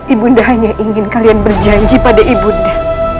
ibu nda hanya ingin kalian berjanji pada ibu nda